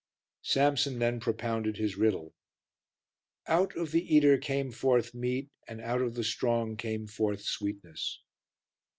Samson then propounded his riddle: "Out of the eater came forth meat, and out of the strong came forth sweetness."